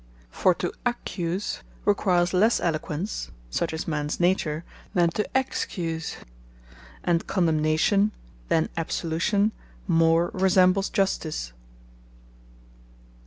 For to accuse, requires lesse Eloquence (such is mans Nature) than to excuse; and condemnation, than absolution more resembles Justice.